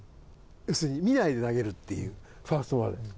要するに見ないで投げるっていうファーストまで。